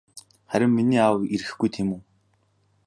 Харин миний аав ирэхгүй тийм үү?